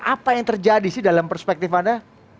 apa yang terjadi sih dalam perspektif anda